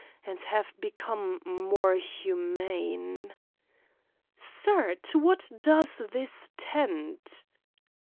And have become more humane." "Sir, to what does this tend?"